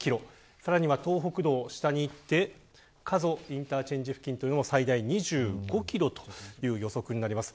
さらに東北道を下に行って加須インターチェンジ付近も最大２５キロという予測になります。